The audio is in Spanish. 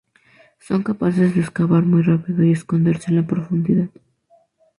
Son capaces de excavar muy rápido y esconderse en la profundidad.